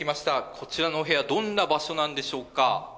こちらのお部屋、どんな場所なんでしょうか。